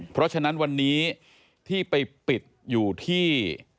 เพราะฉะนั้นวันนี้ที่ไปปิดอยู่ที่